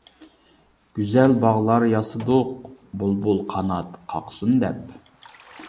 گۈزەل باغلار ياسىدۇق، بۇلبۇل قانات قاقسۇن دەپ.